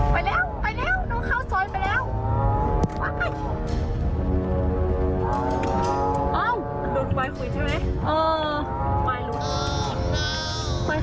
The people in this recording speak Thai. ไปแล้วน้องเข้าซอยไปแล้ว